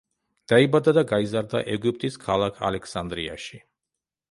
დაიბადა და გაიზარდა ეგვიპტის ქალაქ ალექსანდრიაში.